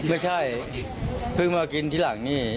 ไม่ใช่เพิ่งมากินที่หลังนี่